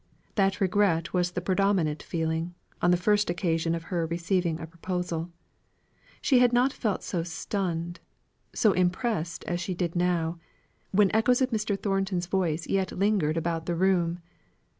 That regret was the predominant feeling, on the first occasion of her receiving a proposal. She had not felt so stunned so impressed as she did now, when echoes of Mr. Thornton's voice yet lingered about the room.